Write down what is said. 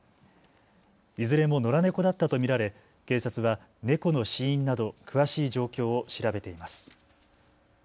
いずれも野良猫だったと見られ警察は猫の死因など詳しい状況を調べています。